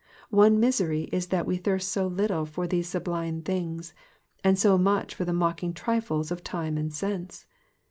Our misery is that we thirst so little for these sublime things, and so much for the mocking trifles of time and sense.